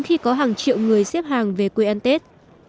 khi có hàng triệu người xếp hàng về quê ăn tết